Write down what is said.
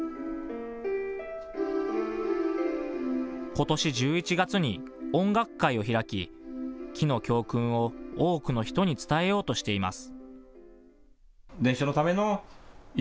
ことし１１月に音楽会を開き木の教訓を多くの人に伝えようとしています。